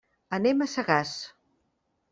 Anem a Sagàs.